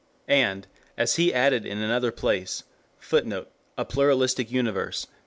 And, as he added in another place, [Footnote: A Pluralistic Universe, p.